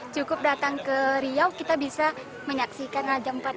cukup datang ke riau kita bisa menyaksikan raja empat